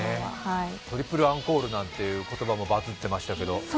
トリプルアンコールなんて言葉もバズってましたけど。